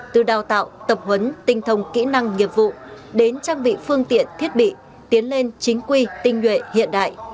từ đào tạo tập huấn tinh thông kỹ năng nghiệp vụ đến trang bị phương tiện thiết bị tiến lên chính quy tinh nhuệ hiện đại